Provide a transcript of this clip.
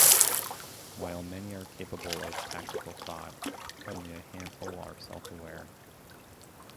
While many are capable of tactical thought, only a handful are self-aware.